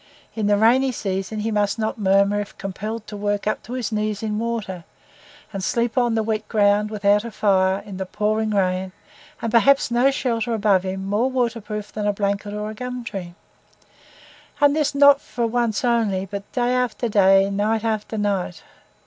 In the rainy season, he must not murmur if compelled to work up to his knees in water, and sleep on the wet ground, without a fire, in the pouring rain, and perhaps no shelter above him more waterproof than a blanket or a gum tree; and this not for once only, but day after day, night after night.